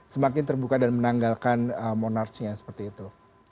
semakin terbuka dan menanggalkan monarchnya seperti itu